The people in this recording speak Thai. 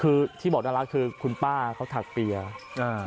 คือที่บอกน่ารักคือคุณป้าเขาถักเปียร์อ่า